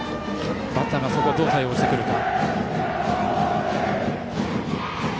バッターがそこにどう対応してくるか。